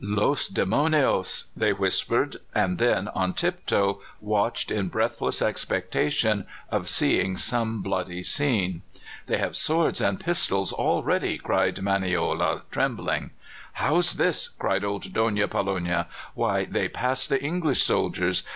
"Los demonios!" they whispered, and then on tiptoe watched in breathless expectation of seeing some bloody scene. "They have swords and pistols all ready," cried Manoela, trembling. "How's this?" cried old Donna Pollonia. "Why, they pass the English soldiers.